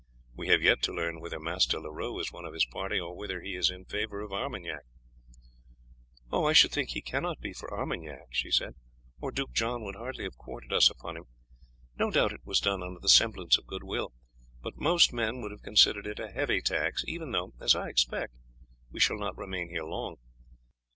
We have yet to learn whether Master Leroux is one of his party, or whether he is in favour of Armagnac." "I should think that he cannot be for Armagnac," she said, "or Duke John would hardly have quartered us upon him. No doubt it was done under the semblance of goodwill, but most men would have considered it a heavy tax, even though, as I expect, we shall not remain here long.